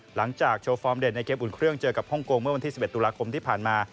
หลังจากโชว์ฟอร์มเด็ดในเกมอุ่นเครื่องเจอกับฮ่องกงเมื่อวันที่๑๑ตุลาคมที่ผ่านมา